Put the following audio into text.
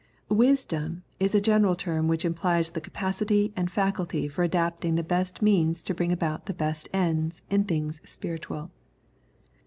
"*^" Wisdom " is a general term which implies the capacity and faculty for adapting the best means to bring about the best ends in things spiritual.